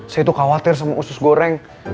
saya itu khawatir sama usus goreng